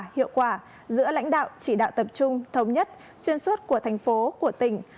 hiệu quả giữa lãnh đạo chỉ đạo tập trung thống nhất xuyên suốt của thành phố của tỉnh